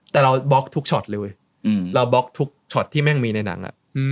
แต่เราบล็อกทุกช็อตเลยเว้ยเราบล็อกทุกช็อตที่แม่งมีในหนัง